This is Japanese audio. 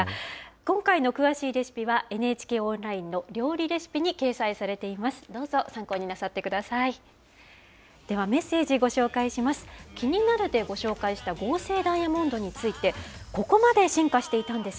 今回の詳しいレシピは、ＮＨＫオンラインの料理レシピに掲載されています。